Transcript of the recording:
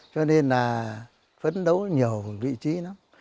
cho nên là phấn đấu nhiều vị trí lắm